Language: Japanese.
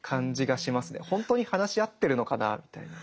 本当に話し合ってるのかなみたいな。